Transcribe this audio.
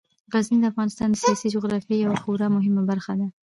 غزني د افغانستان د سیاسي جغرافیې یوه خورا مهمه برخه ده.